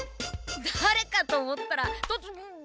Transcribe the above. だれかと思ったらとつ。